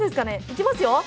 いきますよ！